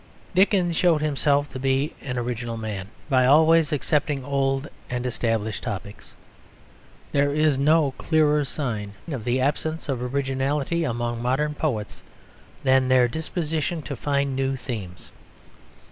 Dickens showed himself to be an original man by always accepting old and established topics. There is no clearer sign of the absence of originality among modern poets than their disposition to find new themes.